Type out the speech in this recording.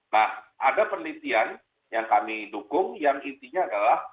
nah ada penelitian yang kami dukung yang intinya adalah